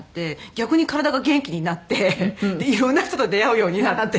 逆に体が元気になって色んな人と出会うようになって。